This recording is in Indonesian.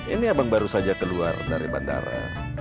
ini abang baru saja keluar dari bandara